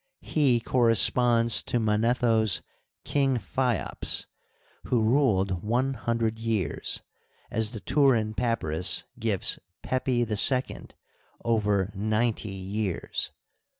He corresponds to Manetho's King Phiops, who ruled one hundred years, as the Turin Papyrus g^ves Pepi I J over ninety years.